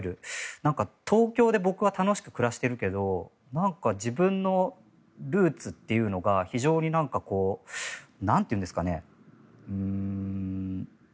東京で僕は楽しく暮らしてるけど自分のルーツというのが非常に何て言うんですかね。